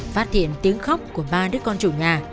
phát hiện tiếng khóc của ba đứa con chủ nhà